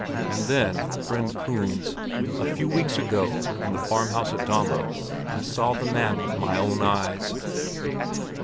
And then, friend Kunz, a few weeks ago in the farm house at Dahme, I saw the man with my own eyes!"